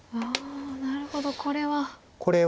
なるほどこれは。